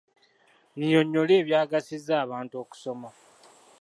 Nnyinyonnyola ebyagazisa abantu okusoma.